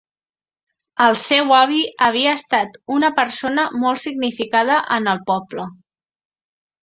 El seu avi havia estat una persona molt significada en el poble.